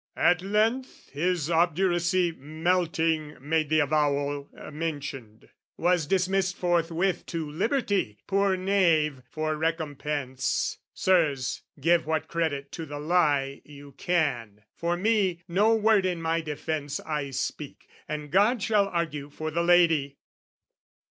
"At length his obduracy melting made "The avowal mentioned..." "Was dismissed forthwith "To liberty, poor knave, for recompense. "Sirs, give what credit to the lie you can! "For me, no word in my defence I speak, "And God shall argue for the lady!"